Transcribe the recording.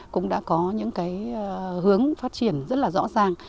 cũng đã có những hướng phát triển rất rõ ràng